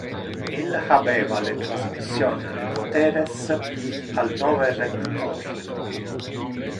Il habeva le transmission de poteres al nove rector.